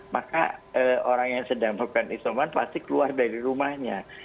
maka orang yang sedang melakukan isoman pasti keluar dari rumahnya